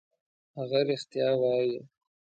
هغه رښتیا وايي.